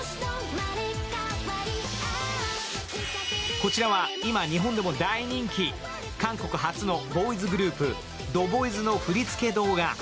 こちらは今、日本でも大人気、韓国発のボーイズグループ、ＴＨＥＢＯＹＺの振り付け動画。